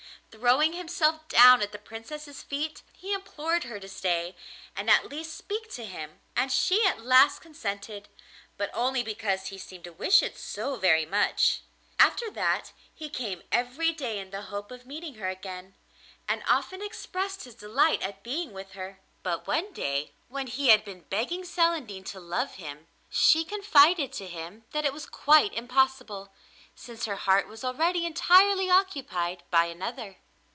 Throwing himself down at the Princess's feet, he implored her to stay, and at least speak to him, and she at last consented, but only because he seemed to wish it so very much. After that he came every day in the hope of meeting her again, and often expressed his delight at being with her. But one day, when he had been begging Celandine to love him, she confided to him that it was quite impossible, since her heart was already entirely occupied by another.